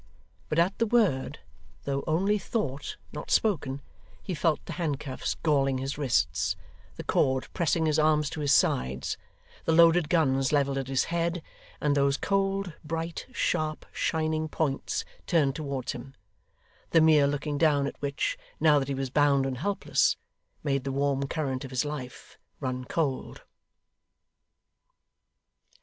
But at the word, though only thought, not spoken, he felt the handcuffs galling his wrists, the cord pressing his arms to his sides: the loaded guns levelled at his head; and those cold, bright, sharp, shining points turned towards him: the mere looking down at which, now that he was bound and helpless, made the warm current of his life run cold.